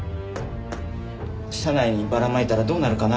社内にばらまいたらどうなるかな？